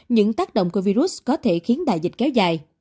những tác động của virus có thể khiến đại dịch kéo dài